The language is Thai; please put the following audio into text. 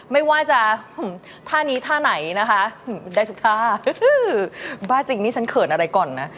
ไม่ว่าจะท่านี้ท่าไหนนะคะได้ทุกท่าบ้าจริงนี่ฉันเขินอะไรก่อนนะ